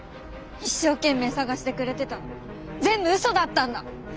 一生懸命探してくれてたの全部嘘だったんだ。